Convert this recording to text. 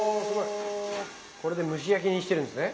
これで蒸し焼きにしてるんですね。